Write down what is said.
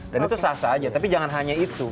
dan itu sah sah saja tapi jangan hanya itu